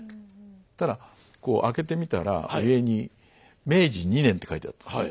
そしたらこう開けてみたら上に「明治２年」って書いてあったんですよ。